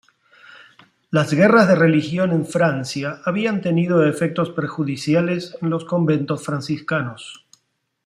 Las guerras de religión en Francia habían tenido efectos perjudiciales en los conventos franciscanos.